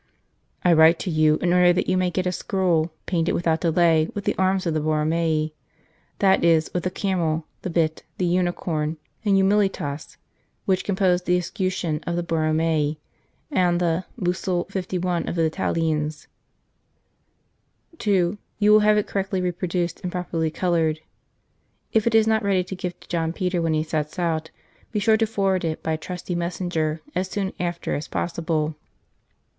" I write to you in order that you may get a scroll painted without delay with the Arms of the Borromei that is, with the Camel, the Bit, the Unicorn, and ii St. Charles Borromeo Humilitas, which compose the escutcheon of the Borromei, and the * bussole 51 of the Vitaliens. 2 You will have it correctly reproduced and properly coloured. If it is not ready to give to John Peter when he sets out, be sure to forward it by a trusty messenger as soon after as possible.